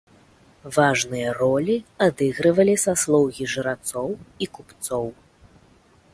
Важныя ролі адыгрывалі саслоўі жрацоў і купцоў.